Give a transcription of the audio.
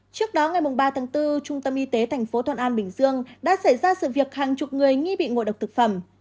trước đó ngày ba tháng bốn trung tâm y tế tp thuận an bình dương đã xảy ra sự việc hàng chục người nghi bị ngộ độc thực phẩm